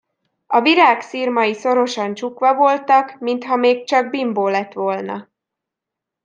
A virág szirmai szorosan csukva voltak, mintha még csak bimbó lett volna.